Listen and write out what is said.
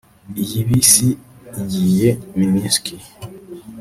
Iyi bisi igiye Minsk